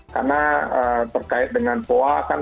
karena terkait dengan poa kan